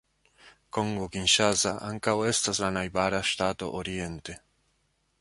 Kongo Kinŝasa ankaŭ estas la najbara ŝtato oriente.